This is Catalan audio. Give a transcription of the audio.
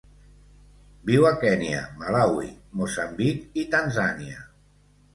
Viu a Kenya, Malawi, Moçambic i Tanzània.